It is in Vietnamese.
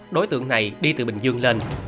đối tượng này đi từ bình dương lên